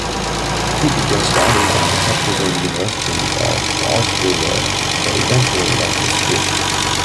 He began studying at the Technical University of Ostrava but eventually left the school.